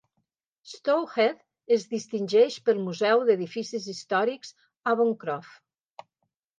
Stoke Heath es distingeix pel Museu d'edificis històrics Avoncroft.